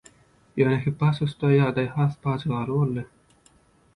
Ýöne Hippasusda ýagdaý has pajygaly boldy.